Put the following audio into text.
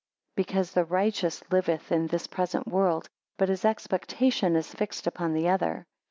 Because the righteous liveth in this present world; but his expectation is fixed upon the other.